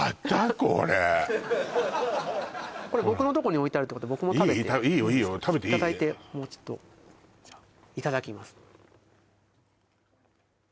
これこれ僕のとこに置いてあるってことは僕も食べていいんですかいいよいいよ食べていいいただいてちょっとじゃあいただきます